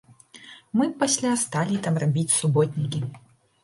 Мы пасля сталі там рабіць суботнікі.